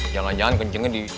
jangan jangan kencengnya di